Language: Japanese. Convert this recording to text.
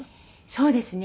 そうですね。